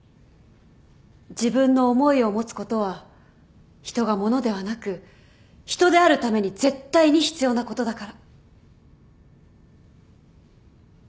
自分の思いを持つことは人が物ではなく人であるために絶対に必要なことだから。